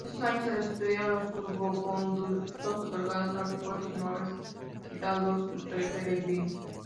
En esos años se sucedieron los salvoconductos, otorgados a supuestos nobles gitanos peregrinos.